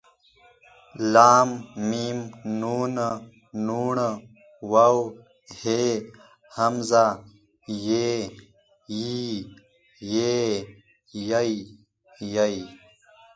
ل م ن ڼ و ه ء ی ي ې ۍ ئ